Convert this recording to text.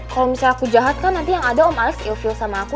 kalo misal aku jahat kan nanti yang ada om alex ilfil sama aku